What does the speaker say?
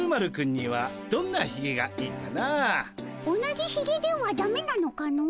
同じひげではダメなのかの？